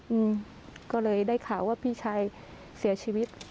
อืมก็เลยได้ข่าวว่าพี่ชายเสียชีวิต